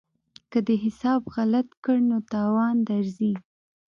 که دې حساب غلط کړ نو تاوان درځي.